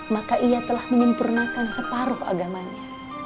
maka ia telah menyempurnakan separuh agamanya